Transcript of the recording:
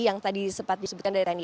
yang tadi sempat disebutkan dari rani